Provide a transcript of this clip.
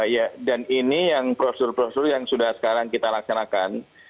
ya dan ini yang prosedur prosedur yang sudah sekarang kita laksanakan